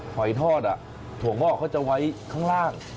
ไหว้ทอดก็จะไว้ข้างล่าง